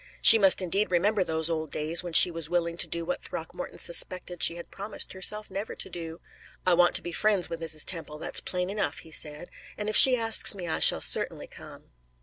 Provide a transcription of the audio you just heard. She must indeed remember those old days when she was willing to do what Throckmorton suspected she had promised herself never to do. "I want to be friends with Mrs. Temple that's plain enough," he said, "and if she asks me I shall certainly come."